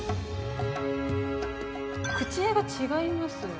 口絵が違いますよね。